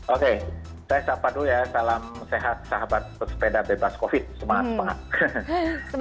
oke saya sapa dulu ya salam sehat sahabat pesepeda bebas covid semangat